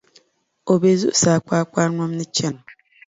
o be zuɣusaa kpakpanyom ni chana.